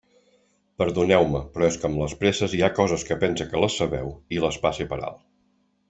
Perdoneu-me, però és que amb les presses hi ha coses que pense que les sabeu i les passe per alt.